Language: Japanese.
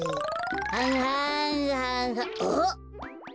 はんはんはんあっ！